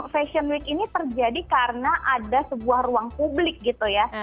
fashion week ini terjadi karena ada sebuah ruang publik gitu ya